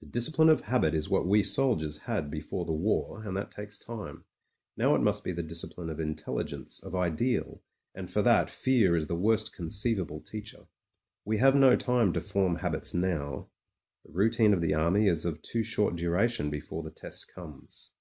The discipline of habit is what we soldiers had be fore the war, and that takes time. Now it must be the discipline of intelligence, of ideal. And for that fear is the worst conceivable teacher. We have no time to form habits now ; the routine of the army is of too short duration before the test comes.